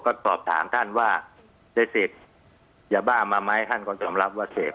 ก็สอบถามท่านว่าได้เสพยาบ้ามาไหมท่านก็ยอมรับว่าเสพ